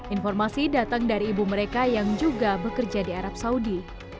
informasi datang dari ibu mereka yang juga bekerja di arab saudi